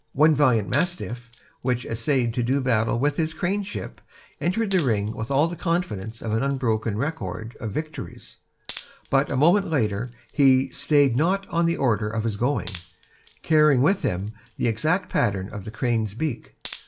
One valiant mastiff, which essayed to do battle with his craneship, entered the ring with all the confidence of an unbroken record of victories, but a moment later he "stayed not on the order of his going," carrying with him the exact pattern of the crane's beak.